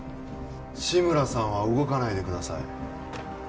志村さんは動かないでください